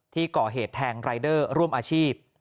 ที่ก่อเหตุแทงรายเดอร์ร่วมอาชีพ